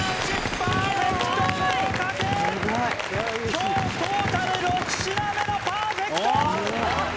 今日トータル６品目のパーフェクト！